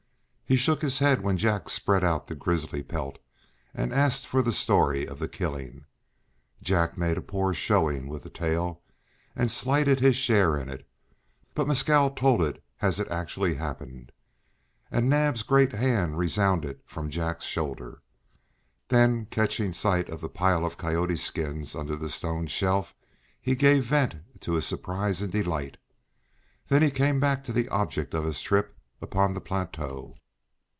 He shook his head when Jack spread out the grizzly pelt, and asked for the story of the killing. Jack made a poor showing with the tale and slighted his share in it, but Mescal told it as it actually happened. And Naab's great hand resounded from Jack's shoulder. Then, catching sight of the pile of coyote skins under the stone shelf, he gave vent to his surprise and delight. Then he came back to the object of his trip upon the plateau.